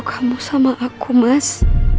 kamu sama aku mas